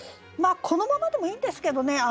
このままでもいいんですけどね